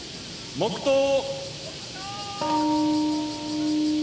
黙とう。